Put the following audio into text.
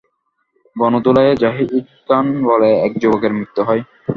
গণ ধোলাইয়ে জাহির খান বলে এক যুবকের মৃত্যু হয়।